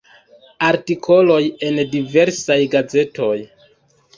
Artikoloj en diversaj gazetoj.